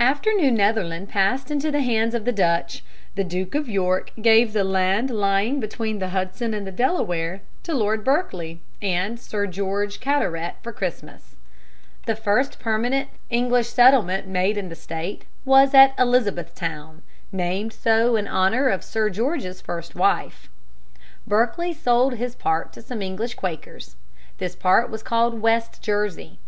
After New Netherland passed into the hands of the Dutch, the Duke of York gave the land lying between the Hudson and the Delaware to Lord Berkeley and Sir George Carteret for Christmas. [Illustration: BERKELEY IN NEW JERSEY.] The first permanent English settlement made in the State was at Elizabethtown, named so in honor of Sir George's first wife. Berkeley sold his part to some English Quakers. This part was called West Jersey.